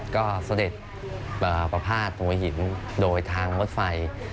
ก็เสด็จประพาทหัวหินโดยทางรถไฟ